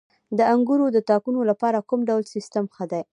د انګورو د تاکونو لپاره کوم ډول سیستم ښه دی؟